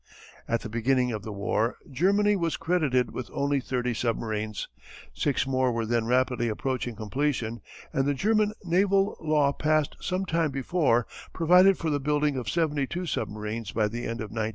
At the beginning of the war Germany was credited with only thirty submarines. Six more were then rapidly approaching completion and the German naval law passed some time before provided for the building of seventy two submarines by the end of 1917.